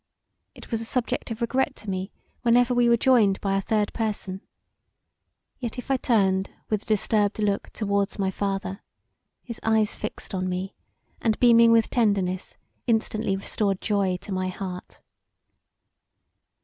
It was a subject of regret to me whenever we were joined by a third person, yet if I turned with a disturbed look towards my father, his eyes fixed on me and beaming with tenderness instantly restored joy to my heart.